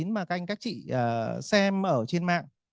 mà các anh các chị xem ở trên mạng